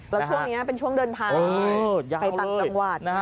แล้วช่วงนี้เป็นช่วงเดินทางไปต่างจังหวัด